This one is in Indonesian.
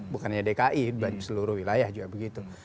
bukannya dki dan seluruh wilayah juga begitu